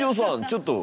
ちょっと。